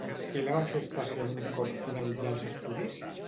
Què la va fer especial un cop finalitzà els estudis?